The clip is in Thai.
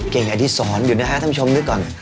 เก่งไอ้ที่สอนอยู่นะฮะท่านผู้ชมนึกก่อน